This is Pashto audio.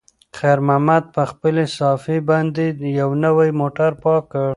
خیر محمد په خپلې صافې باندې یو نوی موټر پاک کړ.